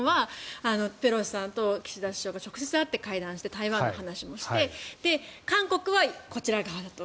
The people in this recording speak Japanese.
日本はペロシさんと岸田総理が直接会って会談して台湾の話もして韓国はこちら側だと。